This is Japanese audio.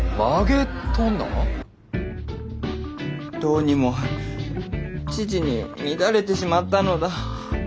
どうにも千々に乱れてしまったのだ。